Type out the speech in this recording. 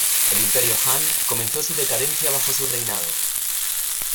El imperio Han comenzó su decadencia bajo su reinado.